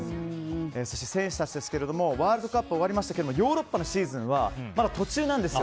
そして、選手たちですがワールドカップは終わりましたがヨーロッパのシーズンはまだ途中なんですよ。